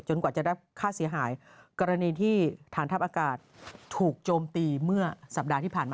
กว่าจะได้ค่าเสียหายกรณีที่ฐานทัพอากาศถูกโจมตีเมื่อสัปดาห์ที่ผ่านมา